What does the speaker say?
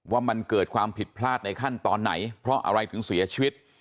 ว่ามันเกิดความผิดพลาดในขั้นตอนไหนเพราะอะไรถึงเสียชีวิต